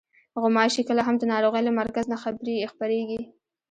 غوماشې کله هم د ناروغۍ له مرکز نه خپرېږي.